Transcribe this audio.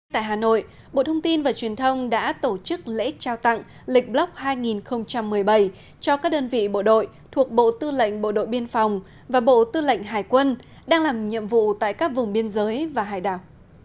tại hà nội bộ thông tin và truyền thông đã tổ chức lễ trao tặng lịch block hai nghìn một mươi bảy cho các đơn vị bộ đội thuộc bộ tư lệnh bộ đội biên phòng và bộ tư lệnh hải quân đang làm nhiệm vụ tại các vùng biên giới và hải đảo